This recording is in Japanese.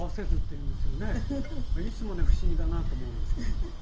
いつもね不思議だなと思うんですけども。